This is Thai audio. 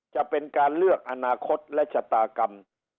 จะเป็นการเลือกอนาคตและชะตากรรม